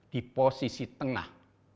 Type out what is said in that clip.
di posisi tengah